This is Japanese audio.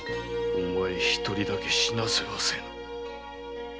お前一人だけ死なせはせぬ。